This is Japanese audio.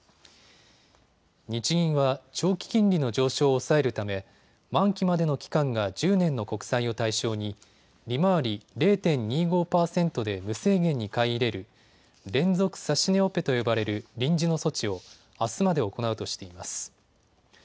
日銀は長期金利の上昇を抑えるため満期までの期間が１０年の国債を対象に利回り０．２５％で無制限に買い入れる連続指値オペと呼ばれる臨時の措置をあすまで行うとしています。